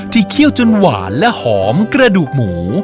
เคี่ยวจนหวานและหอมกระดูกหมู